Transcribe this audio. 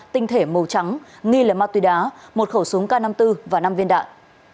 tinh thể màu trắng nghi là ma túy đá một khẩu súng k năm mươi bốn và năm viên đạn